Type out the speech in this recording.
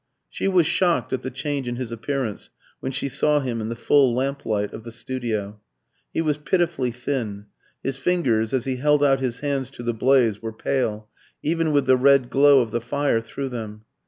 She was shocked at the change in his appearance when she saw him in the full lamplight of the studio. He was pitifully thin; his fingers, as he held out his hands to the blaze, were pale, even with the red glow of the fire through them.